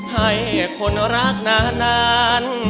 ให้คนรักนาน